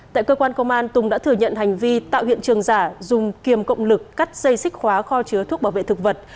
tại cơ quan công an tùng đã thừa nhận hành vi tạo hiện trường giả dùng kiềm cộng lực cắt dây xích khóa kho chứa thuốc bảo vệ thực vật